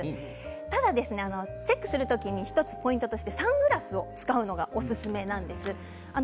ただチェックする時にポイントとしてサングラスを使うのがおすすめなんです。